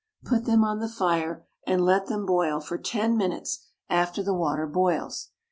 Put them on the fire and let them boil for ten minutes after the water boils.